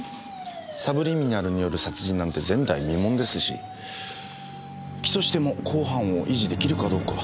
サブリミナルによる殺人なんて前代未聞ですし起訴しても公判を維持できるかどうか。